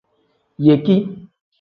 Yeki.